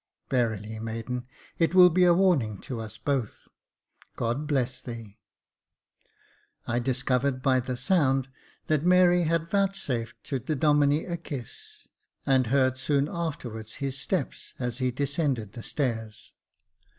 " Verily, maiden, it will be a warning to us both, God bless thee !" I discovered by the sound, that Mary had vouchsafed to the Domine a kiss, and heard soon afterwards his steps, as he descended the stairs.